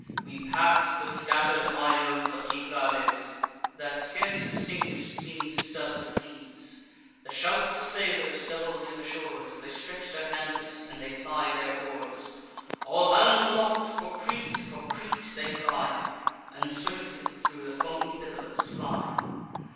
We pass the scatter'd isles of Cyclades, That, scarce distinguish'd, seem to stud the seas. The shouts of sailors double near the shores; They stretch their canvas, and they ply their oars. 'All hands aloft! for Crete! for Crete!' they cry, And swiftly thro' the foamy billows fly.